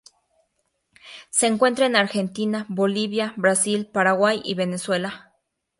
Se encuentra en Argentina, Bolivia, Brasil, Paraguay y Venezuela.